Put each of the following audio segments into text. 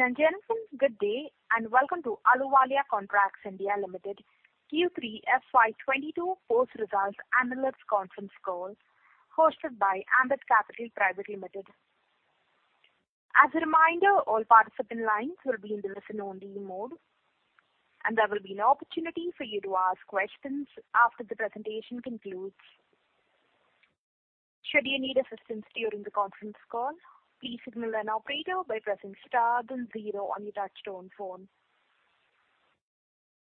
Ladies and gentlemen, good day and welcome to Ahluwalia Contracts (India) Ltd., Q3 FY22 post-results analysts conference call, hosted by Ambit Capital Pvt Ltd. As a reminder, all participant lines will be in the listen-only mode, and there will be an opportunity for you to ask questions after the presentation concludes. Should you need assistance during the conference call, please signal an operator by pressing star then 0 on your touch-tone phone.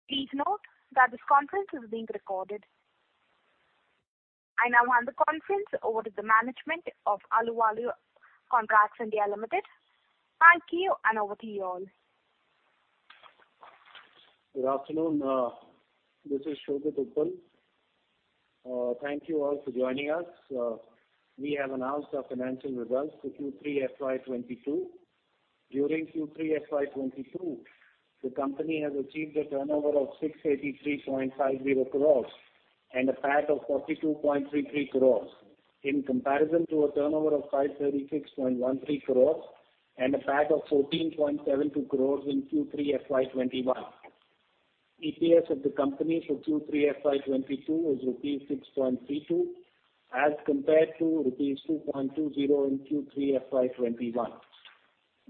Please note that this conference is being recorded. I now hand the conference over to the management of Ahluwalia Contracts (India) Ltd. Thank you, and over to you all. Good afternoon, this is Shobhit Uppal. Thank you all for joining us. We have announced our financial results for Q3 FY22. During Q3 FY22, the company has achieved a turnover of 683.50 crore, and a PAT of 42.33 crore, in comparison to a turnover of 536.13 crore. and a PAT of 14.72 crore in Q3 FY21. EPS of the company for Q3 FY22 is rupees 6.32 as compared to rupees 2.20 in Q3 FY21.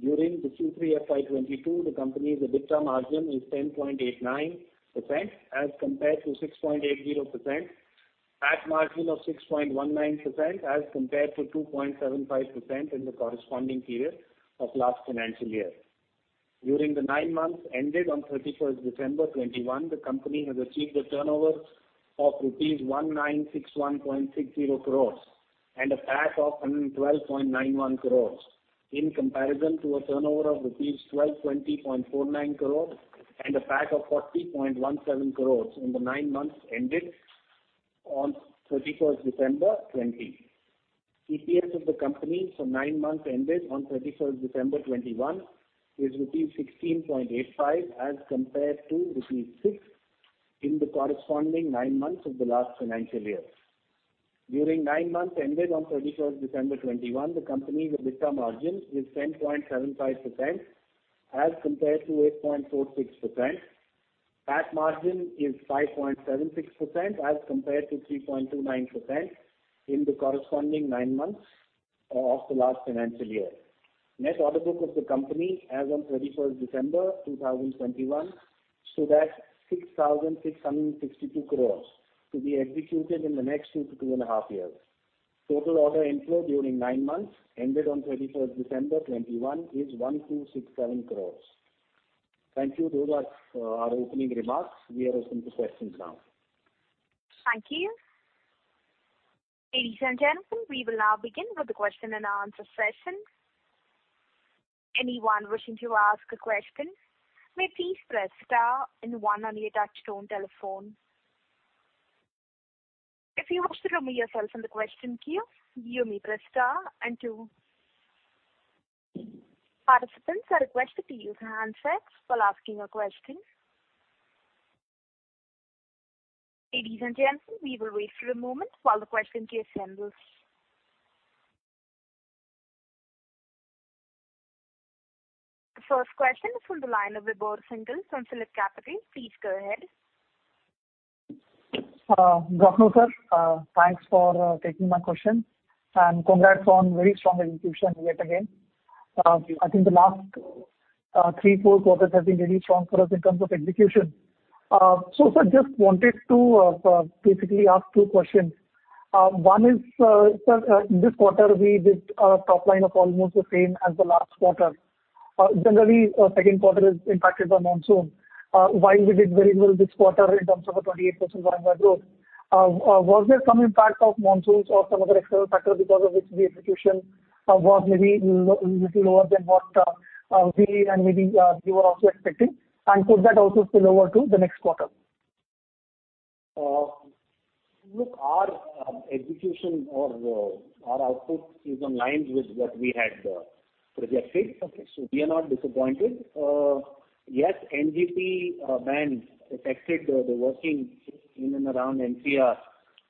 During Q3 FY22, the company's EBITDA margin is 10.89% as compared to 6.80%, PAT margin of 6.19% as compared to 2.75% in the corresponding period of last financial year. During the 9 months ended on 31st December 2021, the company has achieved a turnover of rupees 1,961.60 crore, and a PAT of 112.91 crore, in comparison to a turnover of INR. 1,220.49 crores and a PAT of 40.17 crores in the nine months ended on 31st December 2020. EPS of the company for nine months ended on 31st December 2021 is rupees 16.85 as compared to rupees 6.00 in the corresponding nine months of the last financial year. During nine months ended on 31st December 2021, the company's EBITDA margin is 10.75% as compared to 8.46%, PAT margin is 5.76% as compared to 3.29% in the corresponding nine months of the last financial year. Net order book of the company as on 31st December 2021 stood at 6,662 crores to be executed in the next 2 to 2 and a half years. Total order inflow during 9 months ended on 31st December 2021 is 1,267 crores. Thank you. Those are our opening remarks. We are open to questions now. Thank you. Ladies and gentlemen, we will now begin with the question-and-answer session. Anyone wishing to ask a question may please press star and 1 on your touch-tone telephone. If you wish to remove yourself from the question queue, you may press star and two. Participants are requested to use hands-free while asking a question. Ladies and gentlemen, we will wait for a moment while the question queue assembles. The first question is from the line of Vibhor Singhal from Phillip Capital. Please go ahead. morning, sir, thanks for taking my question. Congrats on very strong execution yet again. I think the last 3, 4 quarters have been really strong for us in terms of execution. So, sir, just wanted to basically ask two questions. One is, sir, in this quarter, we did a top line of almost the same as the last quarter. Generally, second quarter is impacted by monsoon. While we did very well this quarter in terms of a 28% YoY growth, was there some impact of monsoons or some other external factor because of which the execution was maybe a little lower than what we and maybe you were also expecting? And could that also spill over to the next quarter? Look, our execution or our output is in line with what we had projected. Okay. So we are not disappointed. Yes, NGT ban affected the working in and around NCR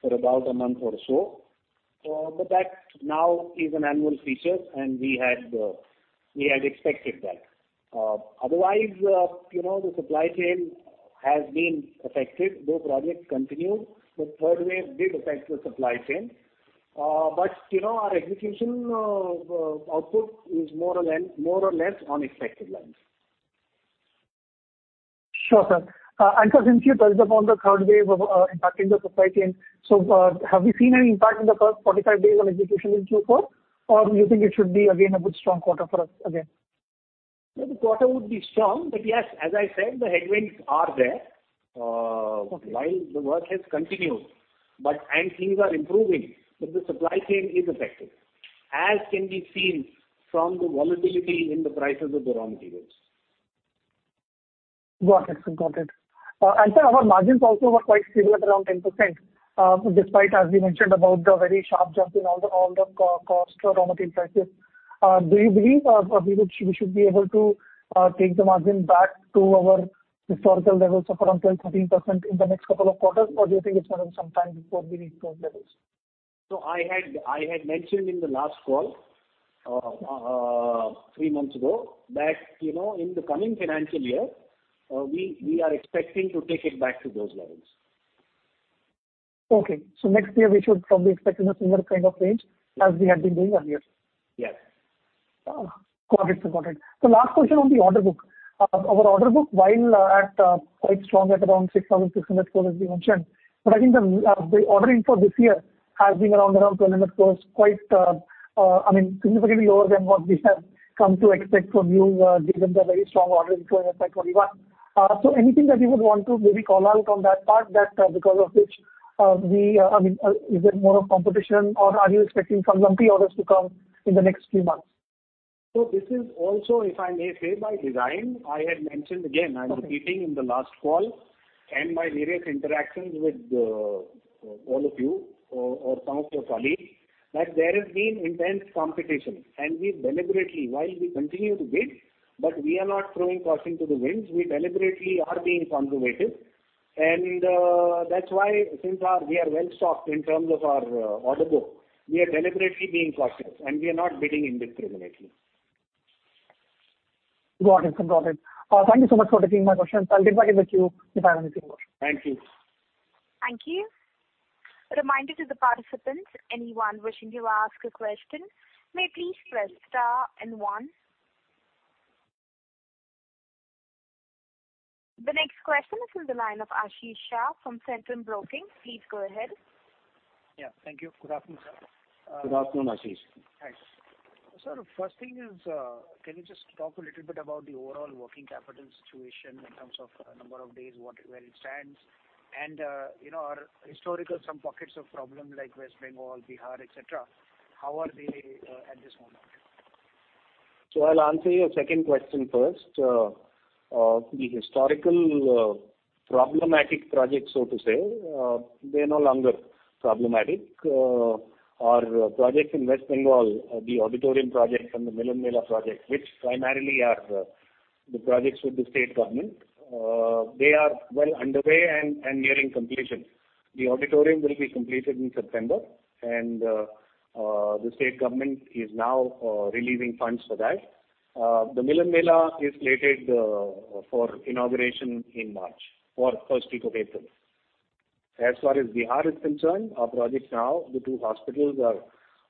for about a month or so. But that now is an annual feature, and we had expected that. Otherwise, you know, the supply chain has been affected. Though projects continued, the third wave did affect the supply chain. But, you know, our execution output is more or less more or less on expected lines. Sure, sir. Sir, since you touched upon the third wave of impacting the supply chain, so have we seen any impact in the first 45 days on execution in Q4, or do you think it should be again a good strong quarter for us again? Well, the quarter would be strong, but yes, as I said, the headwinds are there, while the work has continued. But and things are improving, but the supply chain is affected, as can be seen from the volatility in the prices of the raw materials. Got it, sir. Got it. Sir, our margins also were quite stable at around 10%, despite, as we mentioned, about the very sharp jump in all the cost raw material prices. Do you believe we should be able to take the margin back to our historical levels of around 12%-13% in the next couple of quarters, or do you think it's gonna be some time before we reach those levels? So I had mentioned in the last call, three months ago that, you know, in the coming financial year, we are expecting to take it back to those levels. Okay. Next year, we should probably expect in a similar kind of range as we had been doing earlier? Yes. Got it, sir. Got it. The last question on the order book. Our order book, while at quite strong at around 6,600 crores, as we mentioned, but I think the order inflow this year has been around 1,200 crores, quite, I mean, significantly lower than what we have come to expect from you, given the very strong order inflow in FY21. So anything that you would want to maybe call out on that part that because of which, we, I mean, is there more of competition, or are you expecting some lumpy orders to come in the next few months? So this is also, if I may say, by design. I had mentioned again and repeating in the last call, and my various interactions with all of you, or some of your colleagues, that there has been intense competition. We deliberately, while we continue to bid, but we are not throwing caution to the winds. We deliberately are being conservative. That's why, since we are well stocked in terms of our order book, we are deliberately being cautious, and we are not bidding indiscriminately. Got it, sir. Got it. Thank you so much for taking my questions. I'll get back in the queue if I have any further questions. Thank you. Thank you. Reminder to the participants: anyone wishing to ask a question may please press star and 1. The next question is from the line of Ashish Shah from Centrum Broking. Please go ahead. Yeah. Thank you. Good afternoon, sir. Good afternoon, Ashish. Thanks. Sir, first thing is, can you just talk a little bit about the overall working capital situation in terms of number of days, what where it stands? You know, our historical some pockets of problem like West Bengal, Bihar, etc., how are they at this moment? So I'll answer your second question first. The historical, problematic projects, so to say, they're no longer problematic. Our projects in West Bengal, the auditorium project and the Milan Mela project, which primarily are the projects with the state government, they are well underway and nearing completion. The auditorium will be completed in September, and the state government is now releasing funds for that. The Milan Mela is slated for inauguration in March or 1st week of April. As far as Bihar is concerned, our projects now, the two hospitals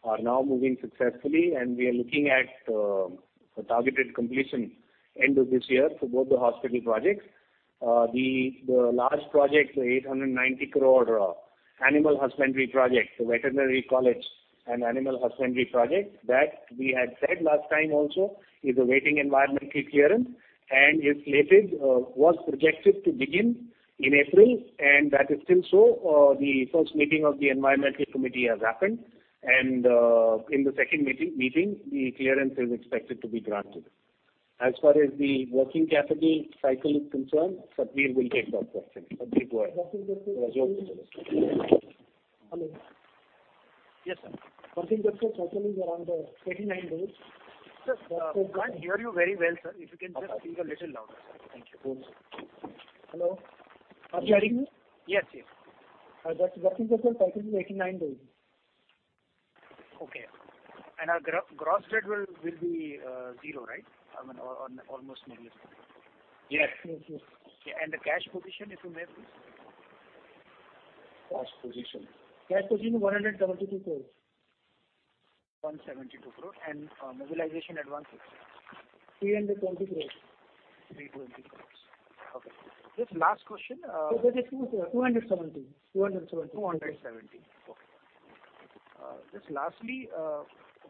are now moving successfully, and we are looking at a targeted completion end of this year for both the hospital projects. large project, the 890 crore animal husbandry project, the veterinary college, and animal husbandry project that we had said last time also is awaiting environmental clearance and is slated, was projected to begin in April, and that is still so. The first meeting of the environmental committee has happened, and in the second meeting, the clearance is expected to be granted. As far as the working capital cycle is concerned, Satheer, we'll take that question. Satheer, go ahead. Working capital cycle? Yes, sir. Working capital cycle is around 89 days. Sir, sir, I can hear you very well, sir. If you can just speak a little louder, sir. Thank you. Of course, sir. Hello? Are you hearing me? Yes, yes. That's working capital cycle is 89 days. Okay. Our gross debt will be zero, right? I mean, or almost negligible? Yes. Yes, yes. Okay. And the cash position, if you may, please? Cash position. Cash position is 172 crore. 172 crore. And mobilization advances? 320 crores. 320 crore. Okay. Just last question, That is 270. 270. 270. Okay. Just lastly,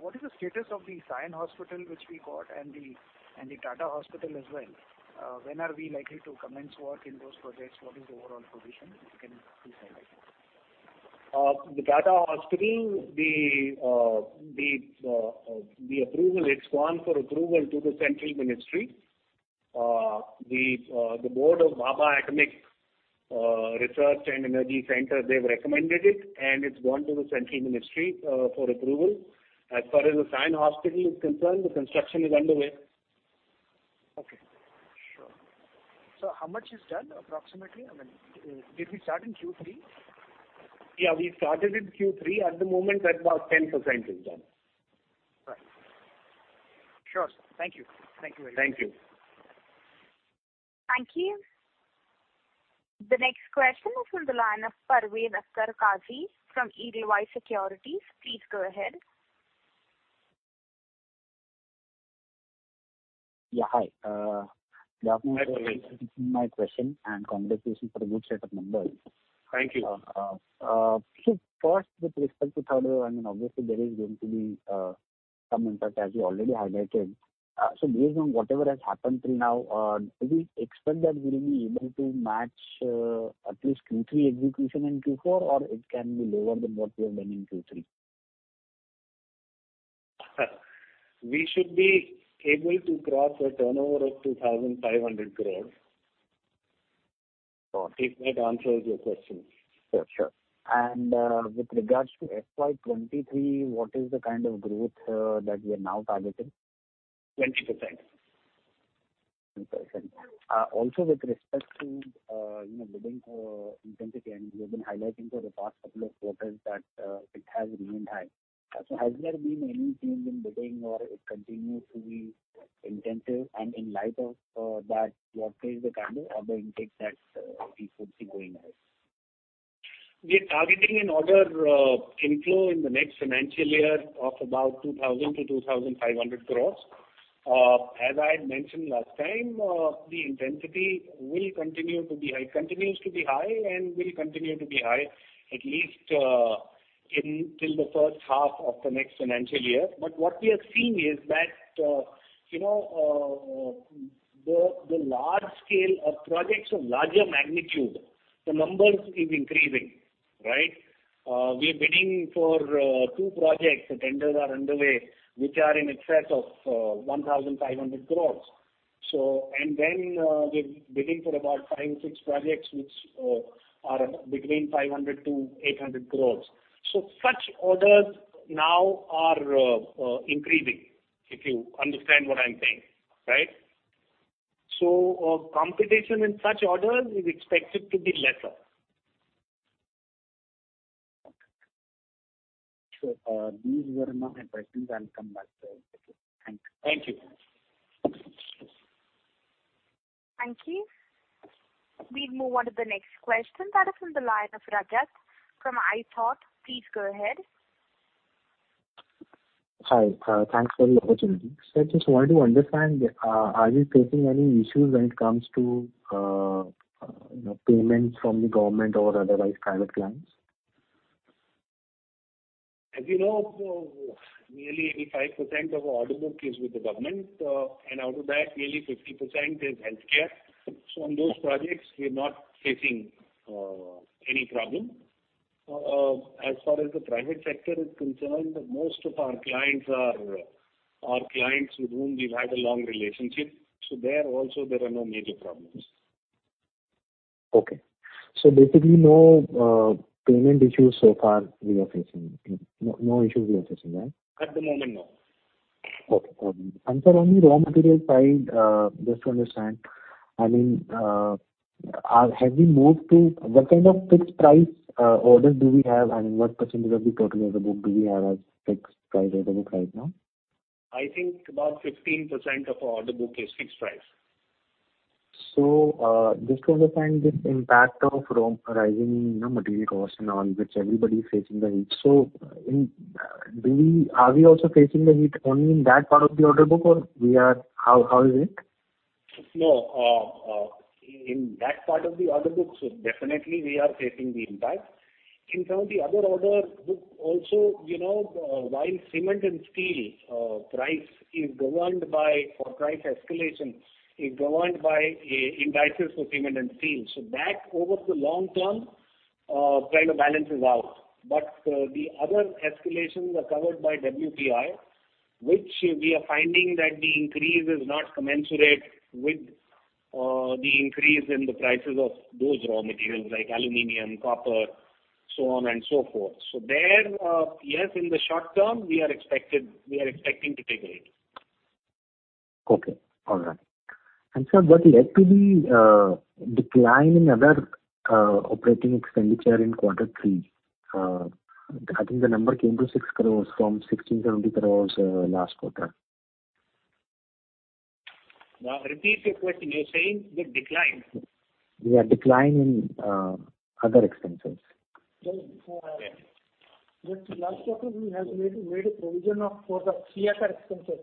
what is the status of the Sion Hospital, which we got, and the Tata Hospital as well? When are we likely to commence work in those projects? What is the overall position? If you can please highlight that. The Tata Hospital, the approval, it's gone for approval to the central ministry. The board of Bhabha Atomic Research and Energy Center, they've recommended it, and it's gone to the central ministry for approval. As far as the Sion Hospital is concerned, the construction is underway. Okay. Sure. So how much is done, approximately? I mean, did we start in Q3? Yeah, we started in Q3. At the moment, at about 10% is done. Right. Sure, sir. Thank you. Thank you very much. Thank you. Thank you. The next question is from the line of Parveen Akkar Qazi from Edelweiss Securities. Please go ahead. Yeah, hi. Good afternoon, my question and congratulations for the good set of numbers. Thank you. So first, with respect to third wave, I mean, obviously, there is going to be some impact, as you already highlighted. So based on whatever has happened till now, do we expect that we'll be able to match at least Q3 execution in Q4, or it can be lower than what we have done in Q3? Sir, we should be able to cross a turnover of 2,500 crore. Got it. If that answers your question. Sure, sure. With regards to FY23, what is the kind of growth that we are now targeting? 20%. 20%. Also with respect to, you know, bidding intensity, and we have been highlighting for the past couple of quarters that it has remained high. Has there been any change in bidding, or it continues to be intensive? In light of that, what is the kind of other intake that we could see going ahead? We are targeting an order inflow in the next financial year of about 2,000 crore-2,500 crore. As I had mentioned last time, the intensity will continue to be high continues to be high and will continue to be high at least in till the first half of the next financial year. But what we are seeing is that, you know, the, the large scale of projects of larger magnitude, the numbers is increasing, right? We are bidding for two projects. The tenders are underway, which are in excess of 1,500 crore. So and then, we're bidding for about five, six projects, which are between 500 crore-800 crore. So such orders now are increasing, if you understand what I'm saying, right? So, competition in such orders is expected to be lesser. Okay. Sure. These were my questions. I'll come back to it. Thank you. Thank you. Thank you. We'll move on to the next question. That is from the line of Rajat from iThought. Please go ahead. Hi. Thanks for the opportunity. Sir, just wanted to understand, are we facing any issues when it comes to, you know, payments from the government or otherwise private clients? As you know, nearly 85% of our order book is with the government, and out of that, nearly 50% is healthcare. So on those projects, we are not facing any problem. As far as the private sector is concerned, most of our clients are clients with whom we've had a long relationship. So there also, there are no major problems. Okay. So basically, no, payment issues so far we are facing. No, no issues we are facing, right? At the moment, no. Okay. Sir, on the raw materials side, just to understand, I mean, have we moved to what kind of fixed price orders do we have? I mean, what percentage of the total order book do we have as fixed price order book right now? I think about 15% of our order book is fixed price. So, just to understand this impact of rising raw material costs, and all, which everybody's facing the heat. So, are we also facing the heat only in that part of the order book, or how are we, how is it? No, in that part of the order book, so definitely, we are facing the impact. In some of the other order book also, you know, while cement and steel price is governed by for price escalation is governed by indices for cement and steel, so that, over the long term, kind of balances out. But the other escalations are covered by WPI, which we are finding that the increase is not commensurate with the increase in the prices of those raw materials like aluminum, copper, so on and so forth. So there, yes, in the short term, we are expecting to take a hit. Okay. All right. Sir, what led to the decline in other operating expenditure in quarter three? I think the number came to 6 crores from 1,670 crores last quarter. Now, repeat your question. You're saying the decline? Yeah, decline in other expenses. So, Yeah. Just last quarter, we have made a provision for the Kaka expenses.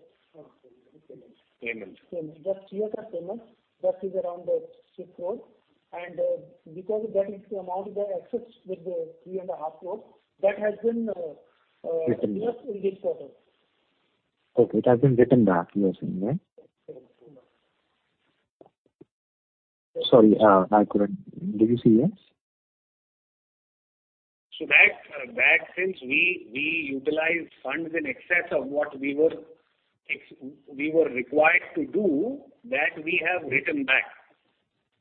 Payments. Payments. That Kaka payment, that is around 6 crore. And, because of that, it's the amount that exists with the 3.5 crore, that has been, Written. Yes, in this quarter. Okay. It has been written back, you're saying, right? Yes. Sorry. I couldn't. Did you see? Yes? So that, back since we utilize funds in excess of what we were required to do, that we have written back.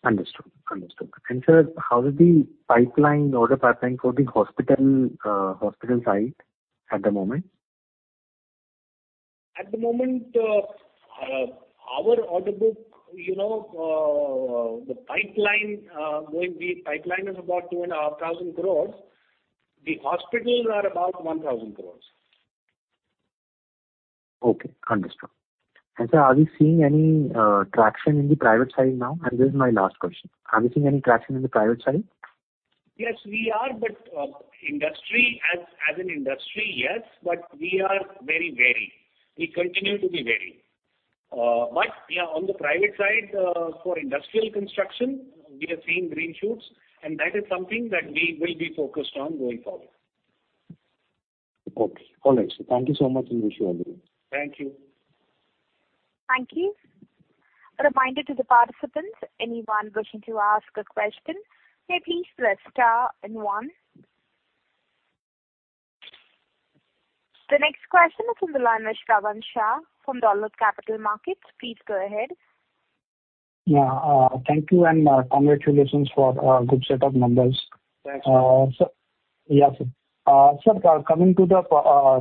Understood. Understood. Sir, how is the order pipeline for the hospital side at the moment? At the moment, our order book, you know, the pipeline, the pipeline is about 2,500 crore. The hospitals are about 1,000 crore. Okay. Understood. And, sir, are we seeing any, traction in the private side now? And this is my last question. Are we seeing any traction in the private side? Yes, we are, but as an industry, yes, but we are very wary. We continue to be wary. But yeah, on the private side, for industrial construction, we are seeing green shoots, and that is something that we will be focused on going forward. Okay. All right, sir. Thank you so much, and wish you all the best. Thank you. Thank you. Reminder to the participants: anyone wishing to ask a question may please press star and one. The next question is from the line of Shravan Shah from Dolat Capital Markets. Please go ahead. Yeah, thank you, and congratulations for a good set of numbers. Thanks, sir. Sir, yeah, sir. Sir, coming to the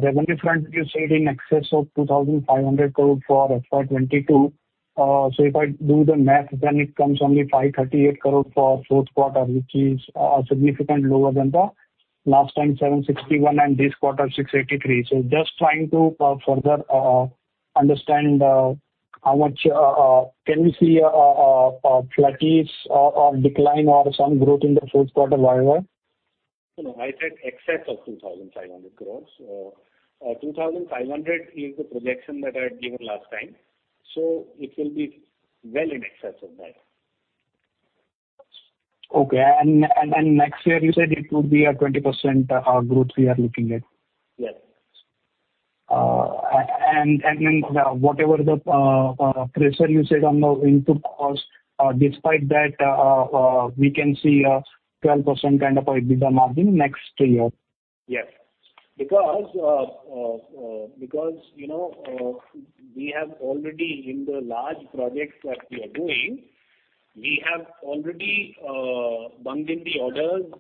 revenue front, you said in excess of 2,500 crore for FY22. So if I do the math, then it comes only 538 crore for fourth quarter, which is significantly lower than the last time, 761, and this quarter, 683. So just trying to further understand how much can we see, flatties or decline or some growth in the fourth quarter, whatever? No, no. I said excess of 2,500 crore. 2,500 crore is the projection that I had given last time. So it will be well in excess of that. Okay. And next year, you said it would be a 20% growth we are looking at? Yes. And then, whatever the pressure you said on the input cost, despite that, we can see a 12% kind of a bigger margin next year? Yes. Because, you know, we have already in the large projects that we are doing, we have already booked in the orders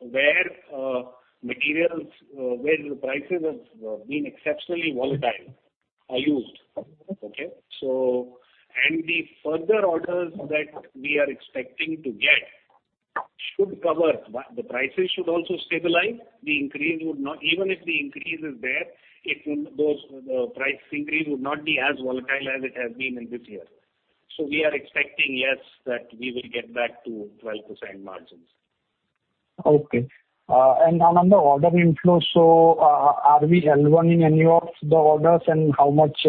where materials where the prices have been exceptionally volatile are used, okay? So and the further orders that we are expecting to get should cover the prices should also stabilize. The increase would not even if the increase is there, it would those the price increase would not be as volatile as it has been in this year. So we are expecting, yes, that we will get back to 12% margins. Okay. On the order inflow, so, are we L1 in any of the orders, and how much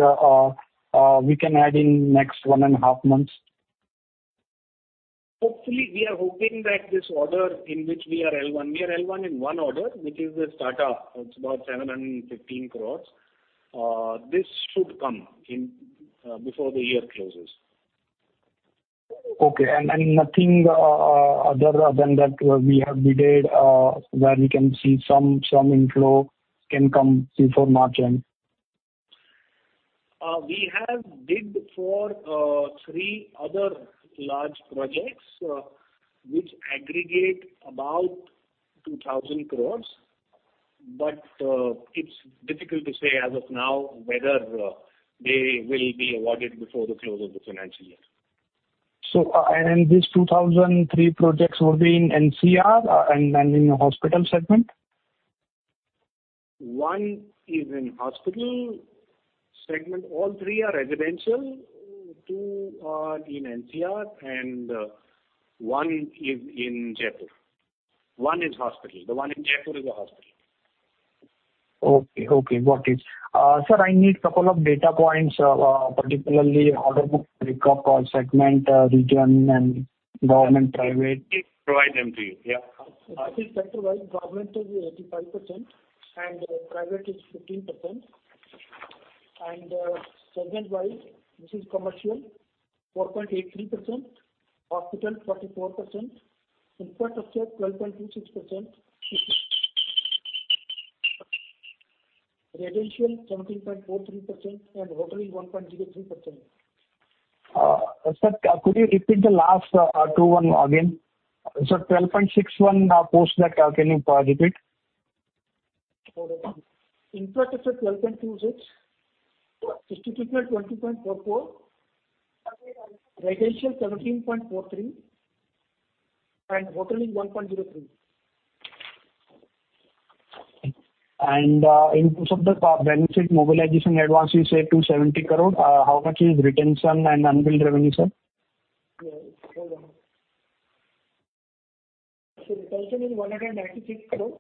we can add in next 1.5 months? Hopefully, we are hoping that this order in which we are L1. We are L1 in one order, which is this Tata. It's about 715 crore. This should come in before the year closes. Okay. And nothing other than that, we have bid where we can see some inflow can come before March end? We have bid for three other large projects, which aggregate about 2,000 crore. But it's difficult to say as of now whether they will be awarded before the close of the financial year. So, these 2,003 projects would be in NCR, and in the hospital segment? One is in hospital segment. All three are residential. Two are in NCR, and one is in Jaipur. One is hospital. The one in Jaipur is a hospital. Okay. Okay. Got it. Sir, I need a couple of data points, particularly order book pickup, segment, region, and government-private. Let me provide them to you. Yeah. I think sector-wise, government is 85%, and private is 15%. Segment-wise, this is commercial, 4.83%, hospital, 44%, infrastructure, 12.26%, residential, 17.43%, and hoteling, 1.03%. Sir, could you repeat the last 21 again? So 12.61, post that, can you repeat? Okay. Infrastructure, 12.26, institutional, 20.44, residential, 17.43, and hoteling, 1.03. In terms of the benefit mobilization advance, you said 270 crore. How much is retention and unbilled revenue, sir? Yeah. Hold on. So retention is INR 196 crore.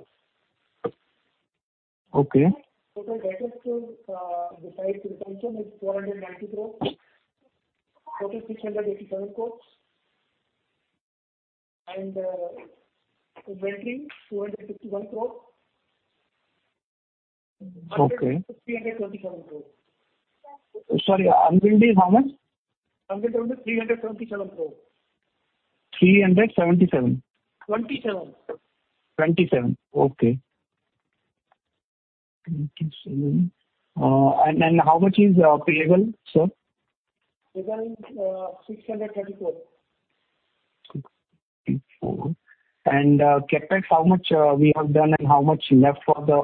Okay. Total detractors, besides retention, is INR 490 crores, total INR 687 crores. Inventory, INR 251 crores. Okay. Unbilled is INR 327 crore. Sorry. Unbilled is how much? Unbilled revenue is INR 377 crore. 377? 27. Okay. And how much is payable, sir? Payable is INR 634. 634. CapEx, how much we have done, and how much left for the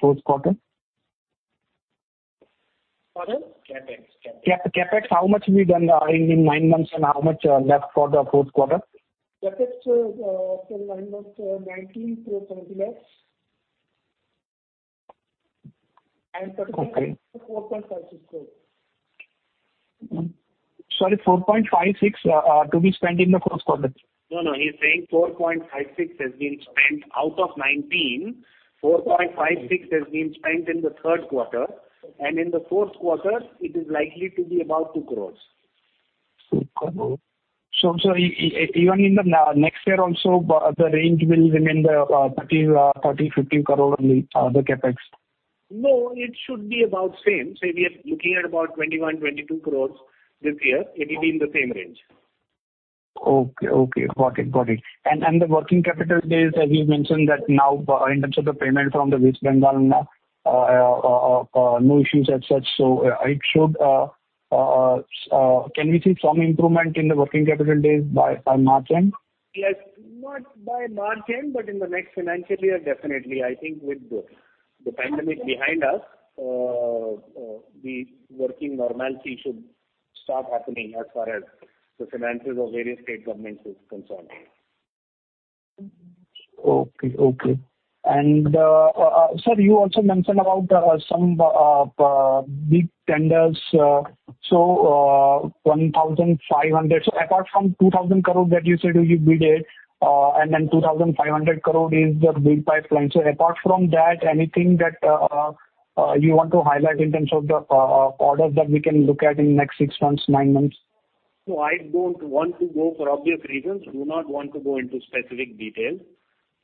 fourth quarter? Pardon? CAPEX. CAPEX. CapEx, how much we done in nine months, and how much left for the fourth quarter? CapEx for nine months, INR 19.70 lakhs. And total INR 4.56 crores. Sorry. 4.56, to be spent in the fourth quarter? No, no. He's saying 4.56 has been spent out of 19. 4.56 has been spent in the third quarter. In the fourth quarter, it is likely to be about 2 crore. 2 crore. So, sir, even in the next year also, the range will remain 30 crore-50 crore only, the CapEx? No, it should be about same. Say we are looking at about 21 crore-22 crore this year. It will be in the same range. Okay. Okay. Got it. Got it. And the working capital days, as you've mentioned, that now, in terms of the payment from the West Bengal, no issues as such. So, it should. Can we see some improvement in the working capital days by March end? Yes. Not by March end, but in the next financial year, definitely. I think with the pandemic behind us, the working normalcy should start happening as far as the finances of various state governments is concerned. Okay. Okay. And, sir, you also mentioned about some big tenders. So, 1,500 crore apart from 2,000 crore that you said you bid, and then 2,500 crore is the bid pipeline. So apart from that, anything that you want to highlight in terms of the orders that we can look at in next six months, nine months? No, I don't want to go for obvious reasons. Do not want to go into specific details.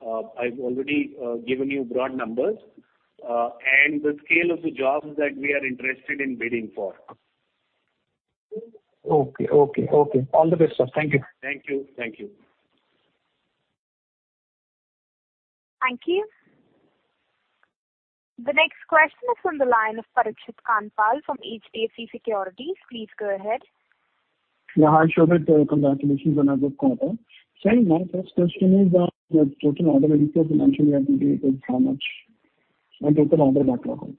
I've already given you broad numbers, and the scale of the jobs that we are interested in bidding for. Okay. Okay. Okay. All the best, sir. Thank you. Thank you. Thank you. Thank you. The next question is from the line of Parikshit Kanpal from HDFC Securities. Please go ahead. Yeah. Hi, Shobhit. Congratulations on our good quarter. Sir, my first question is, the total order inflow financial year to date is how much and total order backlog?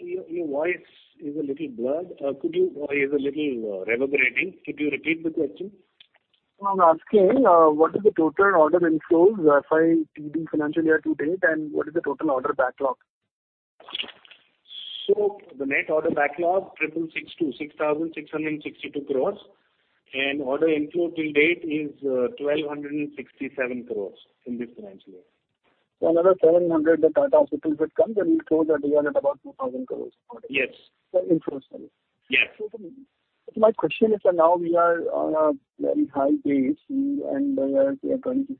Your voice is a little blurred. It's a little reverberating. Could you repeat the question? I was asking, what is the total order inflows, FITD financial year to date, and what is the total order backlog? The net order backlog 6,662 crores. Order inflow till date is 1,267 crores in this financial year. 700 crore, the Tata hospitals, it comes, and we'll close that year at about 2,000 crore in order? Yes. Inflows, sorry. Yes. So my question is that now we are on a very high base, and we are INR 2,627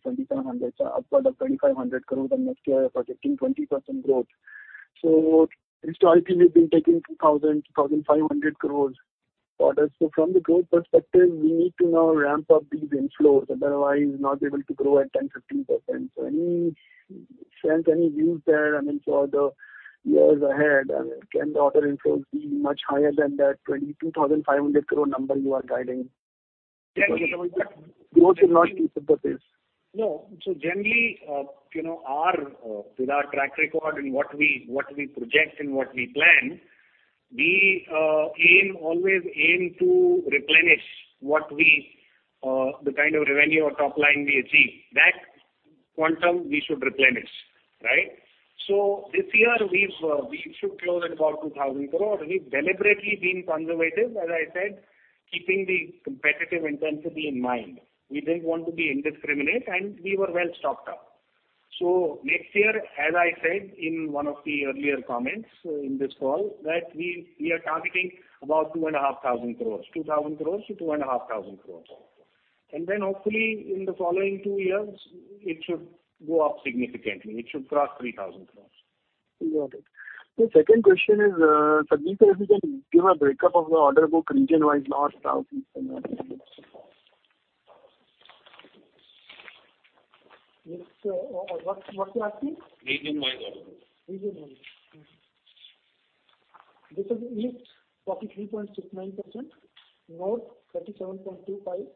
crore, so upward of 2,500 crore, and next year, we're projecting 20% growth. So historically, we've been taking 2,000-2,500 crore orders. So from the growth perspective, we need to now ramp up these inflows. Otherwise, we're not able to grow at 10%-15%. So any sense, any views there, I mean, for the years ahead, I mean, can the order inflows be much higher than that 2,500 crore number you are guiding? Generally. Because growth should not keep up the pace. No. So generally, you know, our, with our track record and what we project and what we plan, we always aim to replenish what we the kind of revenue or top line we achieve. That quantum, we should replenish, right? So this year, we should close at about 2,000 crore. We've deliberately been conservative, as I said, keeping the competitive intensity in mind. We didn't want to be indiscriminate, and we were well stocked up. So next year, as I said in one of the earlier comments in this call, that we are targeting about 2 and a half thousand crores, 2,000 crore-2,500 crore. And then hopefully, in the following two years, it should go up significantly. It should cross 3,000 crore. Got it. The second question is, Sanjeev sir, if you can give a breakup of the order book region-wise north, south, east, and north. Yes, sir. What you're asking? Region-wise order book. Region-wise. Okay. This is east 43.69%, north 37.25%,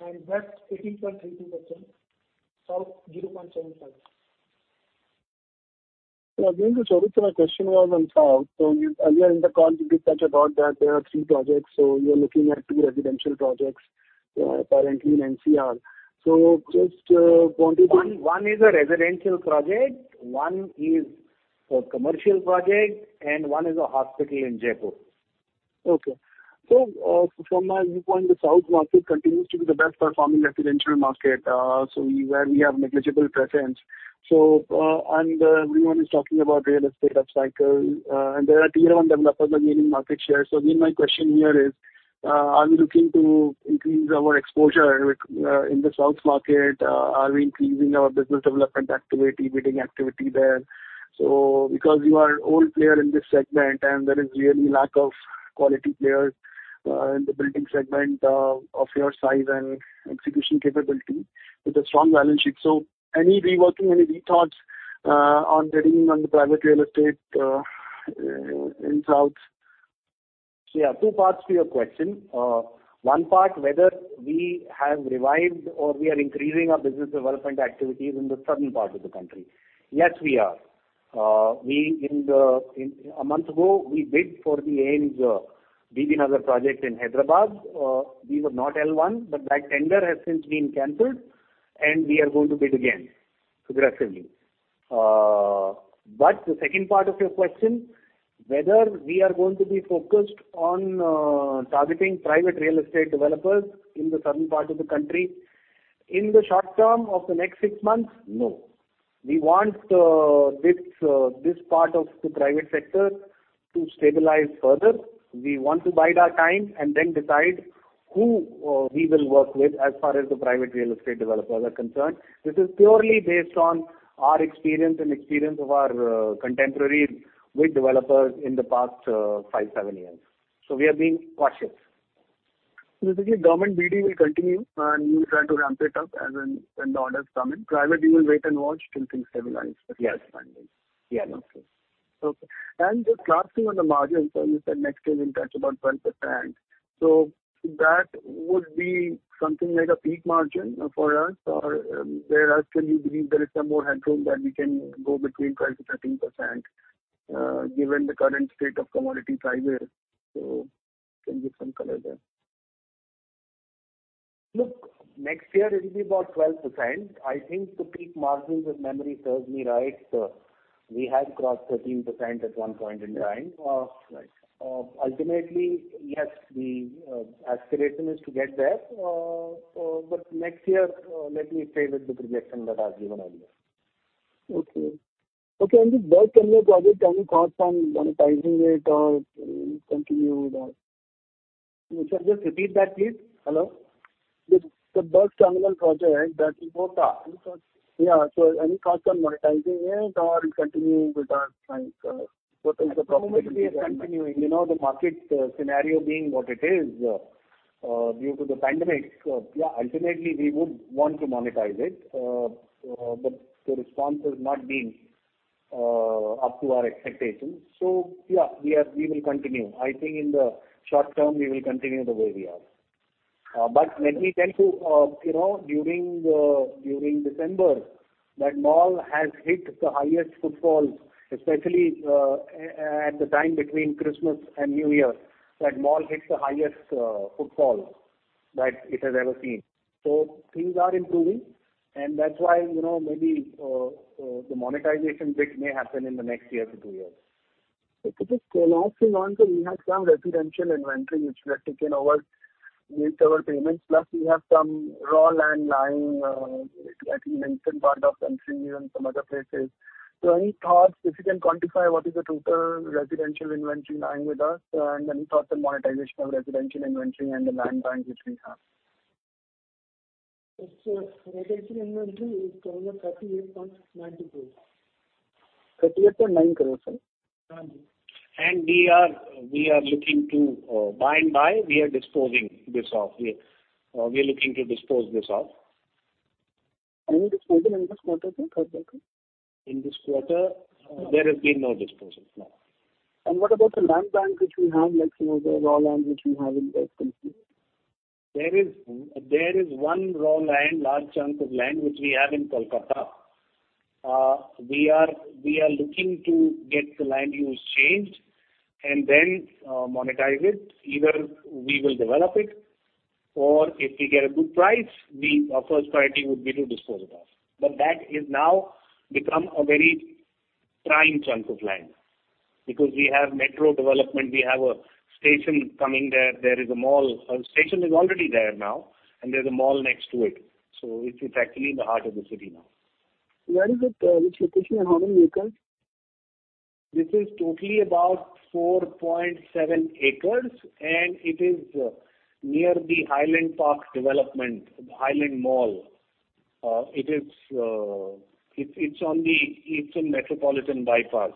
and west 18.32%, south 0.75%. So again, the short answer to my question was on south. So you earlier in the call, you did touch about that there are three projects. So you're looking at two residential projects, currently in NCR. So just wanted to. One, one is a residential project. One is a commercial project. And one is a hospital in Jaipur. Okay. So, from my viewpoint, the south market continues to be the best-performing residential market, so where we have negligible presence. So, and, everyone is talking about real estate upcycle. And there are tier-one developers that are gaining market share. So again, my question here is, are we looking to increase our exposure in the south market? Are we increasing our business development activity, bidding activity there? So because you are an old player in this segment, and there is really lack of quality players in the building segment, of your size and execution capability with a strong balance sheet. So any reworking, any rethoughts, on bidding on the private real estate in south? So yeah, two parts to your question. One part, whether we have revived or we are increasing our business development activities in the southern part of the country. Yes, we are. We, in a month ago, we bid for the AIIMS, Bibinagar project in Hyderabad. We were not L1, but that tender has since been canceled. And we are going to bid again progressively. But the second part of your question, whether we are going to be focused on targeting private real estate developers in the southern part of the country, in the short term of the next six months, no. We want this, this part of the private sector to stabilize further. We want to bide our time and then decide who we will work with as far as the private real estate developers are concerned. This is purely based on our experience and experience of our contemporaries with developers in the past 5-7 years. So we are being cautious. So basically, government BD will continue, and you will try to ramp it up as and when the orders come in. Private, you will wait and watch till things stabilize as far as financing? Yes. Yes. Okay. Okay. And just last thing on the margins, sir, you said next year, we'll touch about 12%. So that would be something like a peak margin for us, or, whereas can you believe there is some more headroom that we can go between 12%-13%, given the current state of commodity prices? So can you give some color there? Look, next year, it will be about 12%. I think the peak margins, if memory serves me right, we had crossed 13% at one point in time. Ultimately, yes, the aspiration is to get there. But next year, let me stay with the projection that I've given earlier. Okay. Okay. This BuS Terminal project, any thoughts on monetizing it, or it continued, or? Sir, just repeat that, please. Hello? The Bus Terminal project, that. What are any thoughts? Yeah. So any thoughts on monetizing it, or it continue with us, like, what is the profitability? I think it will be continuing. You know, the market scenario being what it is, due to the pandemic, yeah, ultimately, we would want to monetize it. But the response has not been up to our expectations. So yeah, we will continue. I think in the short term, we will continue the way we are. But let me tell you, you know, during December, that mall has hit the highest footfalls, especially at the time between Christmas, and New Year, that mall hit the highest footfalls that it has ever seen. So things are improving. And that's why, you know, maybe the monetization bit may happen in the next year to two years. Okay. Just the last thing on, sir, we have some residential inventory which we have taken over with our payments. Plus, we have some raw land lying at the Lincoln Park of Country and some other places. So any thoughts if you can quantify what is the total residential inventory lying with us, and any thoughts on monetization of residential inventory, and the land banks which we have? Residential inventory is currently at INR 38.90 crore. 38.90 crore, sir? Huh, huh. We are looking to buy and buy. We are disposing this off. We are looking to dispose this off. Any disposal in this quarter, sir, or? In this quarter, there has been no disposal, no. What about the land banks which we have, like, for the raw land which we have in West Country? There is one raw land, large chunk of land, which we have in Kolkata. We are looking to get the land use changed and then monetize it. Either we will develop it, or if we get a good price, we our first priority would be to dispose it off. But that is now become a very prime chunk of land because we have metro development. We have a station coming there. There is a mall, a station is already there now, and there's a mall next to it. So it's actually in the heart of the city now. Where is it, which location, and how many acres? This is totally about 4.7 acres, and it is near the Highland Park development, the Highland Mall. It's on the Eastern Metropolitan Bypass.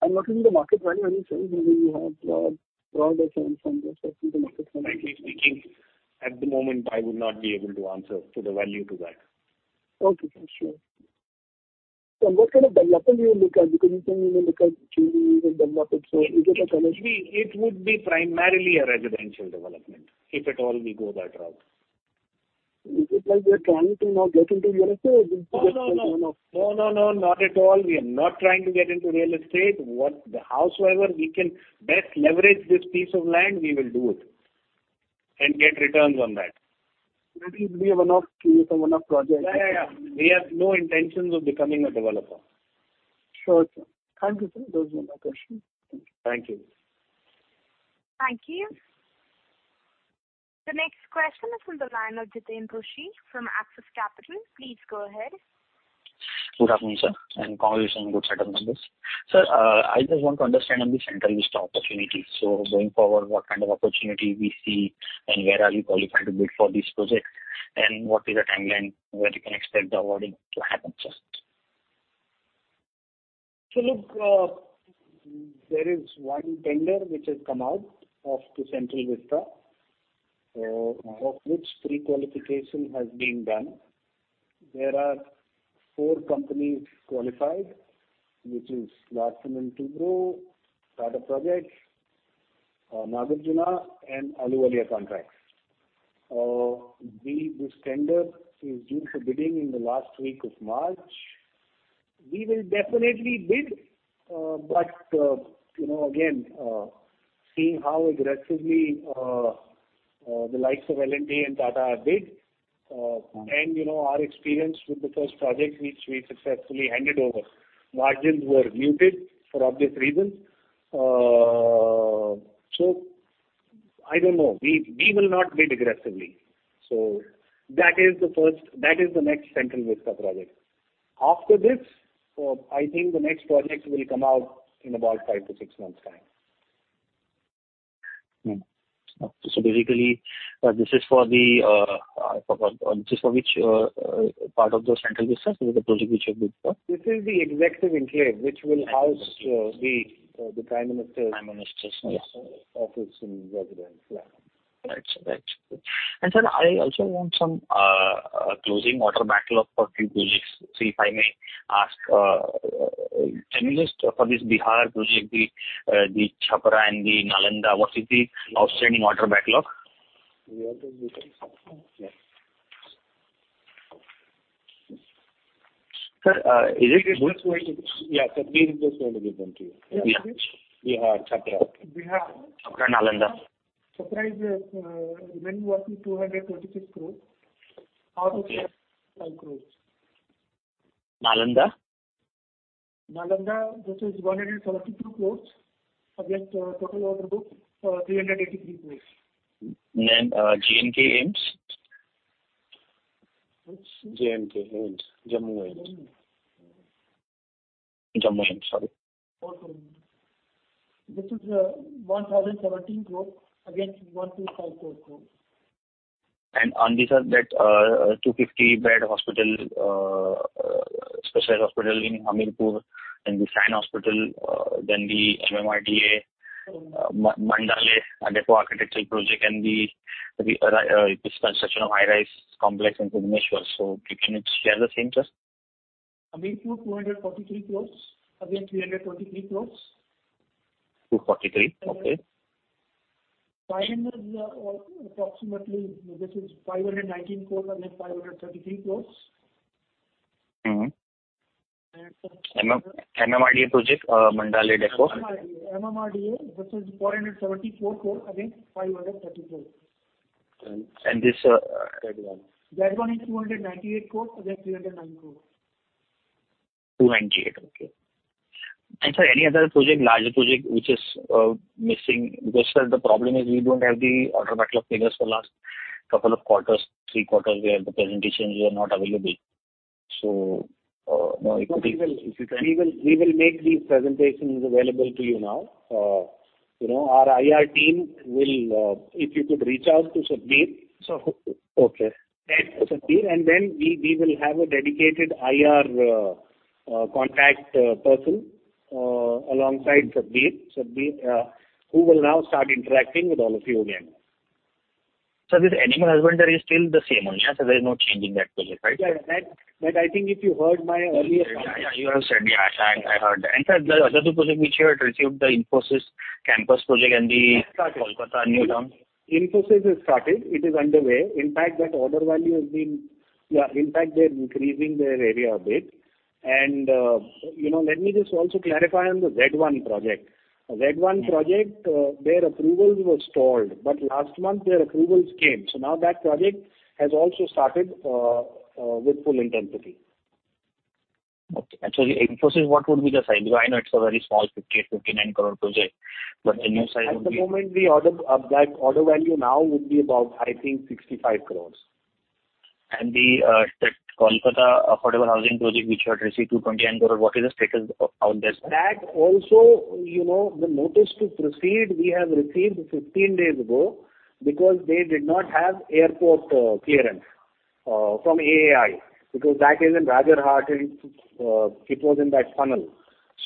What is the market value, are you saying, since you have brought a sense from this question, the market value? Frankly speaking, at the moment, I would not be able to answer to the value to that. Okay. Sure. And what kind of development do you look at? Because you said you will look at changing these and develop it. So is it a kind of? It would be primarily a residential development if at all we go that route. Is it like we are trying to now get into real estate, or did you just say one of? No, no, no. No, no, no. Not at all. We are not trying to get into real estate. Whatever howsoever we can best leverage this piece of land, we will do it and get returns on that. Maybe it will be one of you have one of projects that you're looking at? Yeah, yeah. We have no intentions of becoming a developer. Sure, sir. Thank you, sir. That was all my question. Thank you. Thank you. Thank you. The next question is from the line of Jitin Roshi from Axis Capital. Please go ahead. Good afternoon, sir, and congratulations on good setup on this. Sir, I just want to understand on the central stock opportunity. So going forward, what kind of opportunity we see, and where are you qualified to bid for these projects? And what is the timeline where you can expect the awarding to happen, sir? So look, there is one tender which has come out of the Central Vista, of which prequalification has been done. There are four companies qualified, which is Larsen & Toubro, Tata Projects, Nagarjuna, and Ahluwalia Contracts. We this tender is due for bidding in the last week of March. We will definitely bid, but, you know, again, seeing how aggressively, the likes of L&T and Tata have bid, and, you know, our experience with the first projects which we successfully handed over, margins were muted for obvious reasons. So I don't know. We will not bid aggressively. So that is the first, that is the next Central Vista project. After this, I think the next project will come out in about five to six months' time. So basically, this is for which part of the Central Vista? This is the project which you have bid for? This is the executive enclave which will house the Prime Minister's. Prime Minister's, yes. Office in residence, yeah. Right, sir. Right, sir. Sir, I also want some closing order backlog for a few projects. So if I may ask, can you just for this Bihar project, the Chapra and the Nalanda, what is the outstanding order backlog? We have those details. Yeah. Sir, is it good? We're just going to, yeah, Sadhvi, we're just going to give them to you. Yeah. Bihar, Chapra. Bihar. Chapra and Nalanda. Chapra is remaining working 226 crores out of 5 crores. Nalanda? Nalanda, this is 172 crores. Just total order book, 383 crores. GNK Ames? Which? GNK Ames, Jammu Ames. Jammu Ames. Jammu Ames, sorry. This is 1,017 crores against 125 crores. On this, sir, 250-bed hospital, specialized hospital in Hamirpur, then the Sion Hospital, then the MMRDA, Mandale, a depot architectural project, and the construction of high-rise complex in Sion. So you can share the same, sir? Hamirpur, INR 243 crores against 323 crores. 243. Okay. Balance, approximately, this is 519 crore against 533 crore. Mm-hmm. And. MMIDA project, Mandale depot? MMIDA. MMIDA, this is 474 crores against 534 crores. And this, That one. That one is INR 298 crore against INR 309 crore. 298. Okay. Sir, any other project, larger project, which is missing because, sir, the problem is we don't have the order backlog figures for the last couple of quarters, three quarters where the presentations were not available. So, no, if it is. No, we will if you can. We will make these presentations available to you now. You know, our IR team will, if you could reach out to Sadhvi. Sir. Okay. And Sadhvi, and then we will have a dedicated IR contact person, alongside Sadhvi, who will now start interacting with all of you again. Sir, is any enhancement there? Is still the same only, huh? So there is no changing that project, right? Yeah, yeah. That, that I think if you heard my earlier comment. Yeah, yeah, yeah. You have said. Yeah, I heard that. And sir, the other two projects which you had received the Infosys campus project and the. Started. Kolkata New Town? Infosys has started. It is underway. In fact, that order value has been yeah, in fact, they're increasing their area a bit. And, you know, let me just also clarify on the Z1 project. Z1 project, their approvals were stalled, but last month, their approvals came. So now that project has also started, with full intensity. Okay. And so the Infosys, what would be the size? Because I know it's a very small 58-59 crore project, but the new size would be. At the moment, the order that order value now would be about, I think, 65 crore. That Kolkata affordable housing project which you had received 229 crore, what is the status out there? That also, you know, the notice to proceed we have received 15 days ago because they did not have airport clearance from AAI because that is in Rajarhat. It was in that funnel.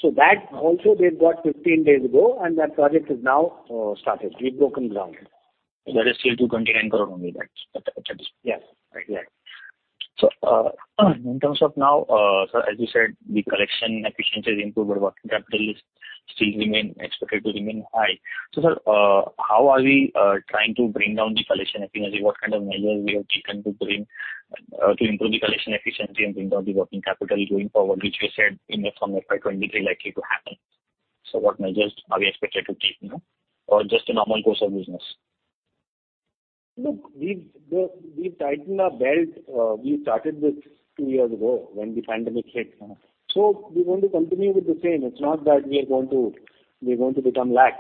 So that also, they've got 15 days ago, and that project is now started. We've broken ground. That is still INR 229 crore only, that, at this point? Yes. Right. Yeah. So, in terms of now, sir, as you said, the collection efficiency has improved, but working capital is still remain expected to remain high. So, sir, how are we trying to bring down the collection efficiency? What kind of measures we have taken to bring to improve the collection efficiency and bring down the working capital going forward, which you said in the from FY23 likely to happen? So what measures are we expected to take, you know, or just a normal course of business? Look, we've tightened our belt. We started this two years ago when the pandemic hit. So we're going to continue with the same. It's not that we're going to become lax.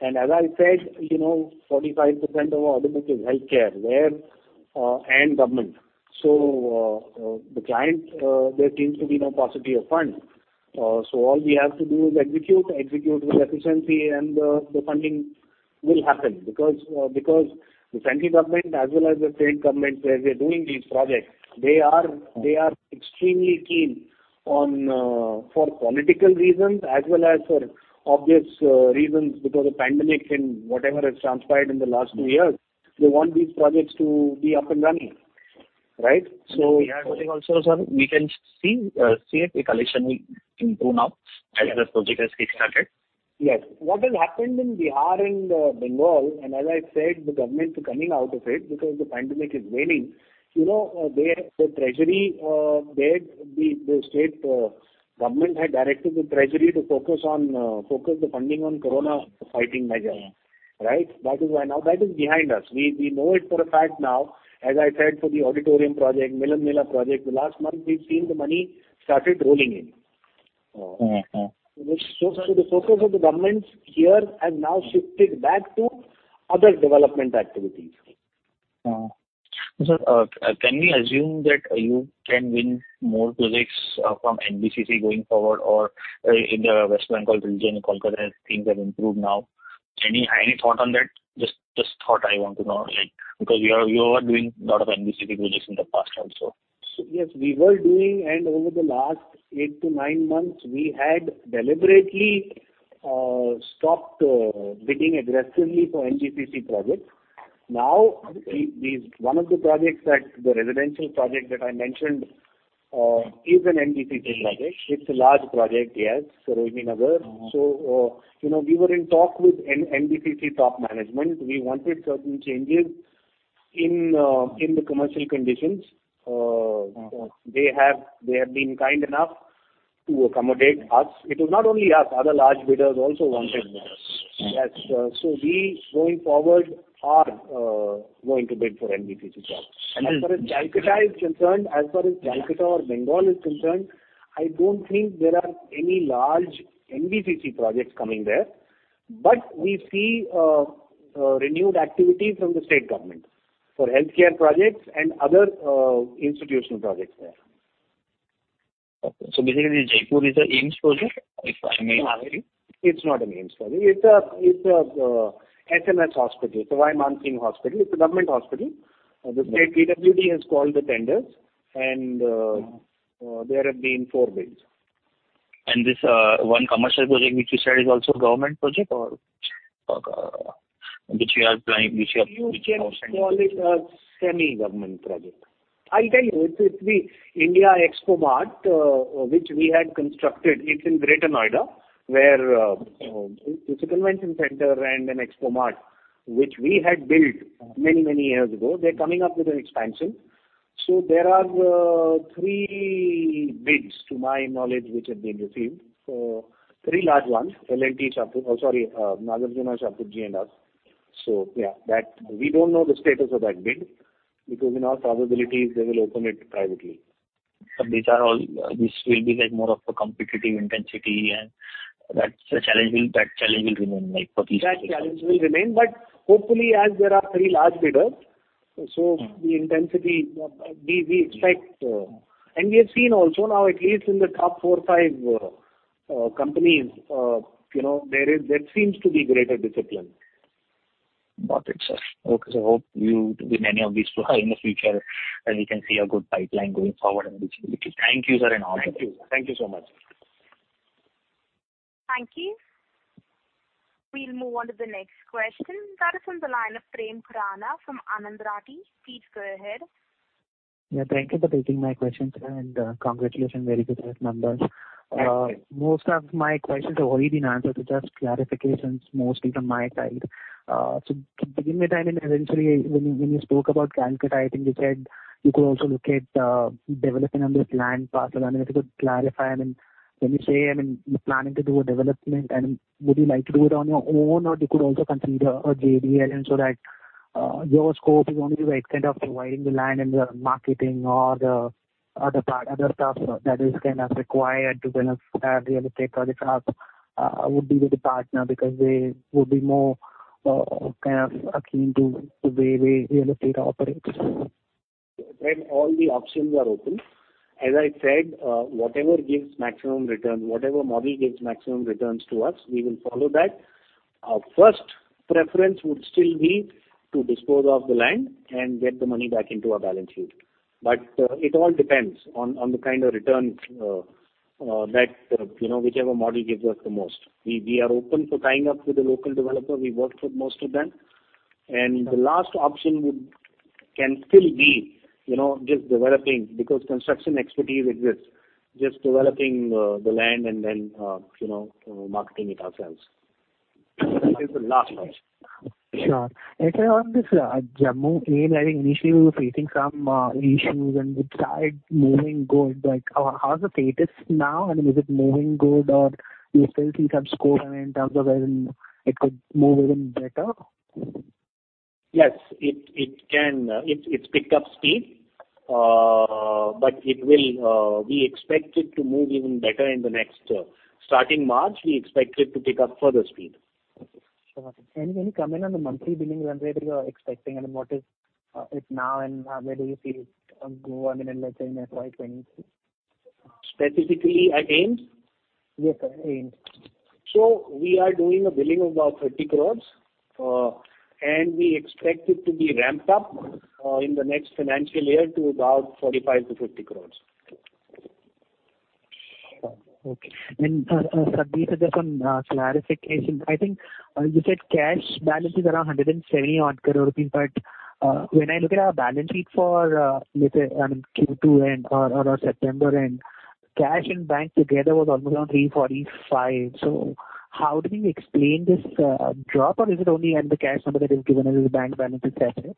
And as I said, you know, 45% of our audience is healthcare, where and government. So, the client, there seems to be no paucity of funds. So all we have to do is execute, execute with efficiency, and the funding will happen because the central government as well as the state government, where they're doing these projects, they are extremely keen on, for political reasons as well as for obvious reasons because of pandemic and whatever has transpired in the last two years. They want these projects to be up and running, right? So. Bihar project also, sir, we can see if the collection will improve now as the project has kickstarted? Yes. What has happened in Bihar and Bengal, and as I said, the government coming out of it because the pandemic is waning, you know, there. The treasury, the state government had directed the treasury to focus the funding on corona fighting measures, right? That is why now that is behind us. We know it for a fact now, as I said, for the auditorium project, Millon Mela project. The last month, we've seen the money started rolling in. Mm-hmm. The focus of the governments here has now shifted back to other development activities. Sir, can we assume that you can win more projects from NBCC going forward or in the West Bengal region in Kolkata as things have improved now? Any thought on that? Just thought I want to know, like, because you are doing a lot of NBCC projects in the past also. Yes, we were doing. And over the last 8-9 months, we had deliberately stopped bidding aggressively for NBCC projects. Now, these one of the projects that the residential project that I mentioned is an NBCC project. It's a large project, yes, Sarojini Nagar. So, you know, we were in talk with NBCC top management. We wanted certain changes in the commercial conditions. They have been kind enough to accommodate us. It was not only us. Other large bidders also wanted with us. Yes. So we, going forward, are going to bid for NBCC projects. As far as Calcutta is concerned, as far as Calcutta or Bengal is concerned, I don't think there are any large NBCC projects coming there. But we see renewed activity from the state government for healthcare projects and other institutional projects there. Okay. So basically, Jaipur is an Ames project, if I may ask you? It's not an Ames project. It's a SMS hospital. So why Sawai Man Singh Hospital? It's a government hospital. The state PWD has called the tenders, and there have been four bids. This one commercial project which you said is also a government project, or which you are planning which you have? You can call it a semi-government project. I'll tell you. It's the India Expo Mart, which we had constructed. It's in Greater Noida, where it's a convention center and an Expo Mart which we had built many, many years ago. They're coming up with an expansion. So there are 3 bids, to my knowledge, which have been received. 3 large ones: L&T Shapoorji, oh, sorry, Nagarjuna Shapoorji and us. So yeah, that we don't know the status of that bid because, in all probabilities, they will open it privately. But these are all this will be, like, more of a competitive intensity, and that challenge will remain, like, for these projects? That challenge will remain. But hopefully, as there are three large bidders, so the intensity, we expect, and we have seen also now, at least in the top four, five, companies, you know, there seems to be greater discipline. Got it, sir. Okay. So hope you win any of these in the future, and we can see a good pipeline going forward, and we see a little thank you, sir, and all the best. Thank you. Thank you so much. Thank you. We'll move on to the next question. That is from the line of Prem Khurana from Anand Rati. Please go ahead. Yeah, thank you for taking my questions, sir, and congratulations. Very good, sir, members. Most of my questions have already been answered. So just clarifications, mostly from my side. So to begin with, I mean, eventually, when you when you spoke about Calcutta, I think you said you could also look at developing on this land parcel. I mean, if you could clarify, I mean, when you say, I mean, you're planning to do a development, I mean, would you like to do it on your own, or you could also consider a JDA so that your scope is only right kind of providing the land and the marketing or the other part other stuff that is kind of required to kind of have real estate projects up, would be with a partner because they would be more kind of keen to the way they real estate operates. Prem, all the options are open. As I said, whatever gives maximum returns, whatever model gives maximum returns to us, we will follow that. Our first preference would still be to dispose of the land and get the money back into our balance sheet. But it all depends on the kind of returns, you know, whichever model gives us the most. We are open for tying up with a local developer. We work with most of them. And the last option would can still be, you know, just developing because construction expertise exists, just developing the land and then, you know, marketing it ourselves. That is the last option. Sure. If I understand, Jammu Ames, I think initially, we were facing some issues, and it started moving good. Like, how's the status now? I mean, is it moving good, or do you still see some scope, I mean, in terms of where it could move even better? Yes. It can, it's picked up speed, but it will. We expect it to move even better in the next starting March. We expect it to pick up further speed. Sure. And can you comment on the monthly billing run rate that you are expecting? I mean, what is it now, and where do you see it go? I mean, in, let's say, in FY23? Specifically at Ames? Yes, sir. Ames. We are doing a billing of about 30 crore, and we expect it to be ramped up in the next financial year to about 45 crore-50 crore. Sure. Okay. Sadhvi, so just on clarification, I think you said cash balance is around 170-odd crore rupees, but when I look at our balance sheet for, let's say, I mean, Q2 end or September end, cash and bank together was almost around 345. So how do you explain this drop, or is it only, I mean, the cash number that is given as the bank balance except it?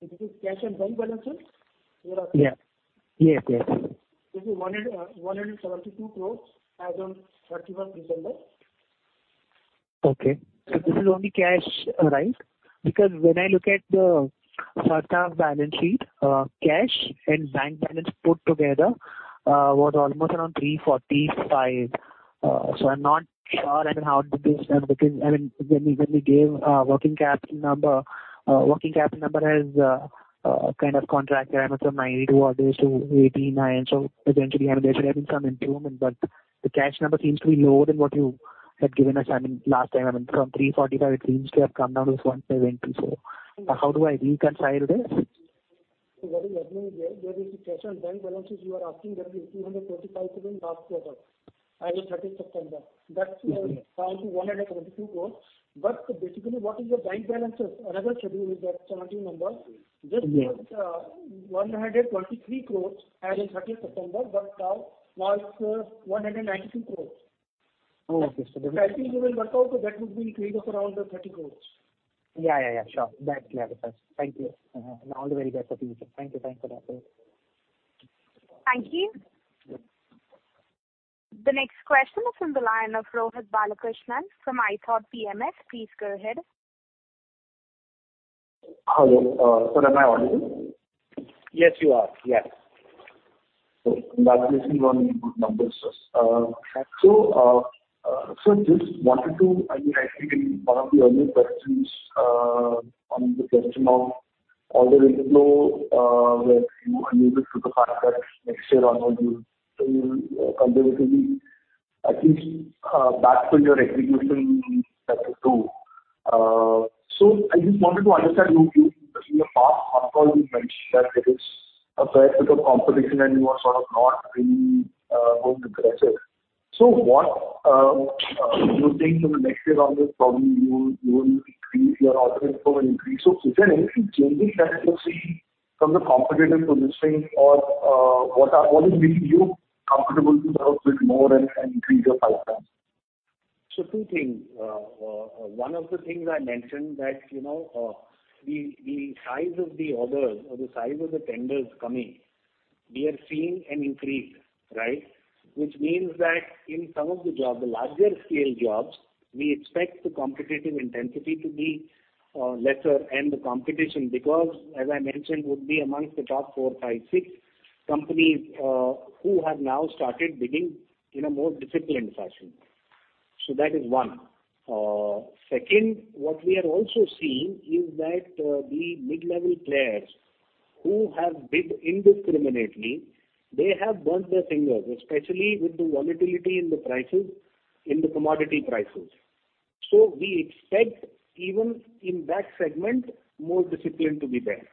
It is cash and bank balance, sir? You're asking? Yeah. Yes, yes. This is 172 crore as on 31st December. Okay. So this is only cash, right? Because when I look at the first half balance sheet, cash and bank balance put together was almost around 345. So I'm not sure, I mean, how did this I mean, because I mean, when you when you gave working capital number, working capital number has kind of contracted, I mean, from 92 orders to 89. So eventually, I mean, there should have been some improvement, but the cash number seems to be lower than what you had given us, I mean, last time. I mean, from 345, it seems to have come down to this one payment too. So how do I reconcile this? So, what is happening here, there is a cash and bank balances you are asking that is 245 crores last quarter as of 30th September. That's down to 172 crores. But basically, what is your bank balances? Another schedule is that 17 number. This was 123 crores as of 30th September, but now it's 192 crores. Oh, okay. So that is. Calculating you will work out that would be increased of around INR 30 crore. Yeah, yeah, yeah. Sure. That's clear to us. Thank you. And all the very best for the future. Thank you. Thanks for that, sir. Thank you. The next question is from the line of Rohit Balakrishnan from iThought PMS. Please go ahead. Hello. Sir, am I audible? Yes, you are. Yes. Okay. Congratulations on the good numbers, sir. Sir, just wanted to—I mean, I think in one of the earlier questions, on the question of all the inflow, where you alluded to the fact that next year or no, you'll conservatively at least backfill your execution. That you do. So I just wanted to understand you. You in your past phone call mentioned that there is a fair bit of competition, and you are sort of not really going aggressive. So what you're saying for the next year or no, probably you'll increase your order inflow. Will it increase? So is there anything changing that you're seeing from the competitive positioning, or what is making you comfortable to sort of bid more and increase your pipelines? So two things. One of the things I mentioned that, you know, the, the size of the orders or the size of the tenders coming, we are seeing an increase, right, which means that in some of the jobs, the larger-scale jobs, we expect the competitive intensity to be lesser, and the competition, because, as I mentioned, would be amongst the top four, five, six companies, who have now started bidding in a more disciplined fashion. So that is one. Second, what we are also seeing is that, the mid-level players who have bid indiscriminately, they have burnt their fingers, especially with the volatility in the prices in the commodity prices. So we expect even in that segment, more discipline to be there.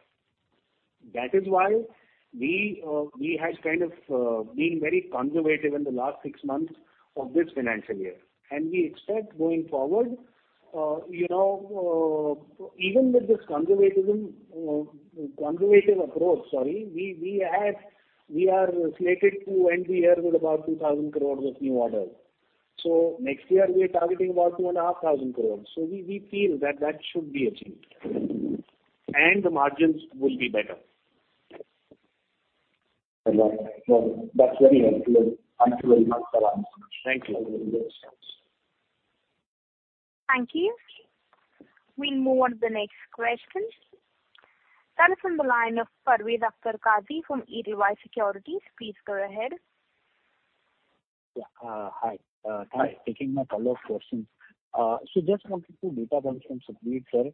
That is why we, we had kind of been very conservative in the last six months of this financial year. We expect going forward, you know, even with this conservative approach, sorry, we are slated to end the year with about 2,000 crore of new orders. So next year, we are targeting about 2,500 crore. So we feel that that should be achieved, and the margins will be better. Perfect. Well, that's very helpful. Thank you very much, sir. I'm so much. Thank you. Thank you. We'll move on to the next question. That is from the line of Parvez Qazi from Edelweiss Securities. Please go ahead Yeah. Hi. Thank you for taking my follow-up questions. So just wanted two data points from Sadhvi, sir.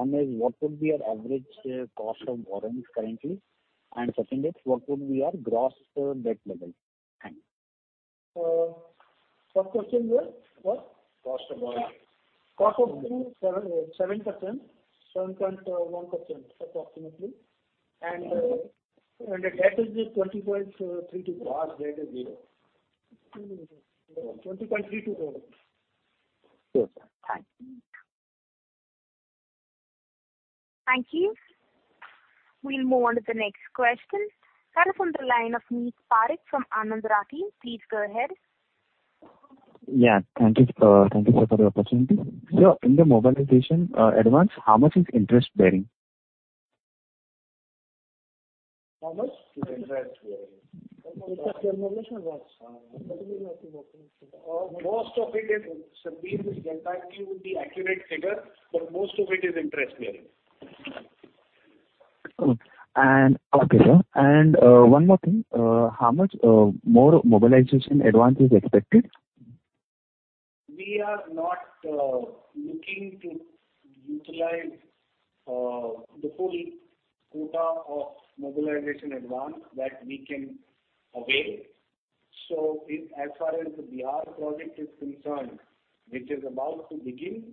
One is, what would be your average cost of warrants currently? And second is, what would be your gross debt level? Thank you. What question, sir? What? Cost of warrants. Cost of warrants. Cost of. 7, 7%, 7.1% approximately. The debt is 20.32%. Gross debt is 0. 20.32%. Good, sir. Thank you. Thank you. We'll move on to the next question. That is from the line of Neet Parikh from Anand Rathi. Please go ahead. Yeah. Thank you, sir. Thank you, sir, for the opportunity. Sir, in the mobilization, advance, how much is interest bearing? How much is interest bearing? Is that your mobilization, or what? Most of it is Sadhvi, this gentleman, he would be accurate figure, but most of it is interest bearing. Okay. Okay, sir. One more thing. How much more mobilization advance is expected? We are not looking to utilize the full quota of mobilization advance that we can avail. So as far as the Bihar project is concerned, which is about to begin,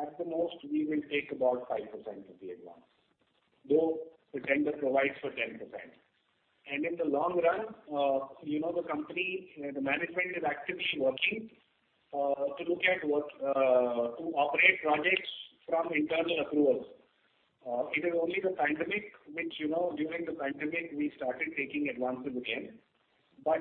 at the most, we will take about 5% of the advance, though the tender provides for 10%. And in the long run, you know, the company, the management is actively working, to look at what to operate projects from internal approvals. It is only the pandemic which, you know, during the pandemic, we started taking advances again. But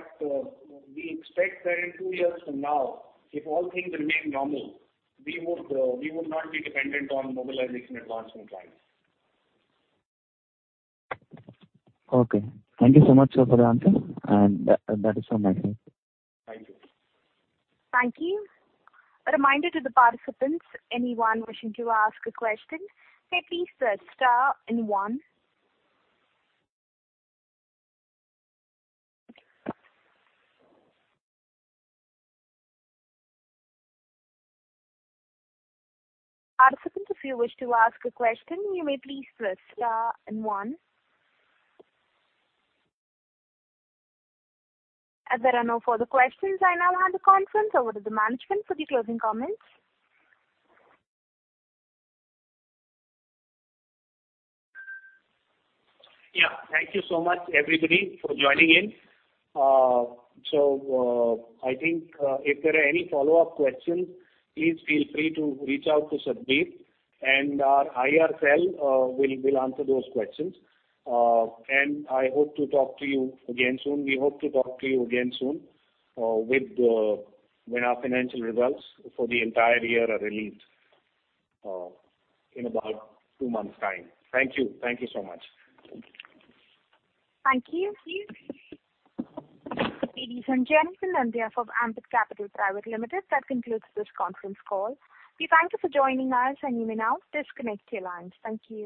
we expect that in two years from now, if all things remain normal, we would, we would not be dependent on mobilization advance from clients. Okay. Thank you so much, sir, for the answer. And that, that is from my side. Thank you. Thank you. A reminder to the participants, anyone wishing to ask a question, may please press star and one. Participants, if you wish to ask a question, you may please press star and one. Is there any further questions? I now hand the conference over to the management for the closing comments. Yeah. Thank you so much, everybody, for joining in. So, I think, if there are any follow-up questions, please feel free to reach out to Sadhvi. Our IR cell will answer those questions. I hope to talk to you again soon. We hope to talk to you again soon, with, when our financial results for the entire year are released, in about 2 months' time. Thank you. Thank you so much. Thank you. Sadhvi from Jenison on behalf of Ambit Capital Private Limited. That concludes this conference call. We thank you for joining us. You may now disconnect your lines. Thank you.